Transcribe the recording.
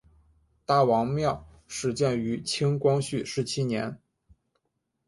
大王庙始建于清光绪十七年。